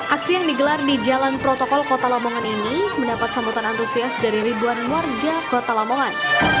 aksi yang digelar di jalan protokol kota lamongan ini mendapat sambutan antusias dari ribuan warga kota lamongan